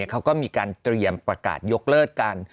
เขาก็มีการเตรียมประกาศยกเลิกกัน